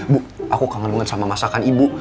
bu aku kangen banget sama masakan ibu